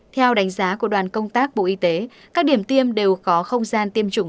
theo đánh giá của đoàn công tác bộ y tế các điểm tiêm đều có không gian tiêm chủng